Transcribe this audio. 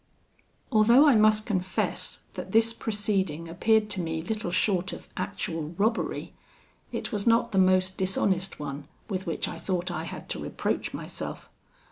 "Although I must confess that this proceeding appeared to me little short of actual robbery, it was not the most dishonest one with which I thought I had to reproach myself.